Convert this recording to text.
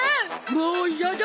もう嫌だ！